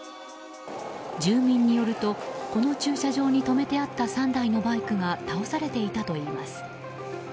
住民によると、この駐車場に止めてあった３台のバイクが倒されていたといいます。